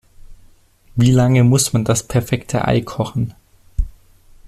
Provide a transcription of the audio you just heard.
Wie lange muss man das perfekte Ei kochen?